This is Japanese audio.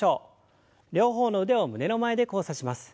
両方の腕を胸の前で交差します。